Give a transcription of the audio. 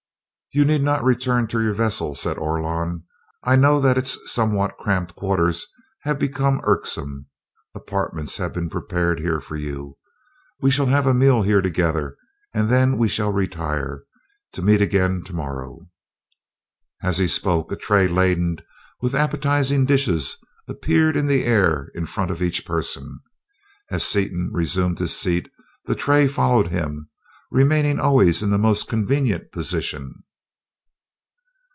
"You need not return to your vessel," said Orlon. "I know that its somewhat cramped quarters have become irksome. Apartments have been prepared here for you. We shall have a meal here together, and then we shall retire, to meet again tomorrow." As he spoke, a tray laden with appetizing dishes appeared in the air in front of each person. As Seaton resumed his seat the tray followed him, remaining always in the most convenient position.